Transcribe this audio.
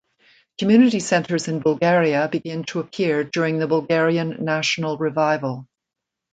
Community centres in Bulgaria begin to appear during the Bulgarian National Revival.